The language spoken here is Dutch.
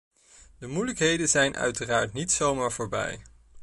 De moeilijkheden zijn uiteraard niet zomaar voorbij.